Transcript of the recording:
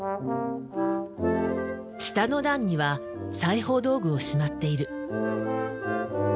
下の段には裁縫道具をしまっている。